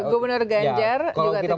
gubernur ganjar juga tidak datang